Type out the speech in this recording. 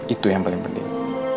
itu yang paling penting